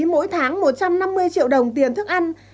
mỗi tháng một trăm năm mươi triệu đồng tiền thức ăn